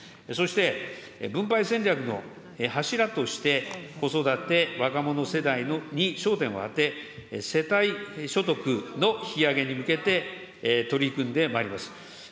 そして、分配戦略の柱として、子育て、若者世代に焦点を当て、世帯所得の引き上げに向けて、取り組んでまいります。